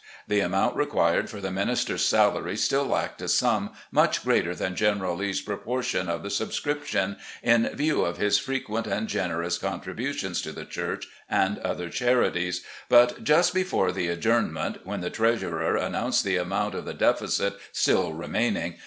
The amount required for the minis ter's salary still lacked a sum much greater than General Lee's proportion of the subscription, in view of his frequent and generous contributions to the church and other charities, but jtist before the ad journment, when the treasurer announced the amovmt of the deficit stiU remaining.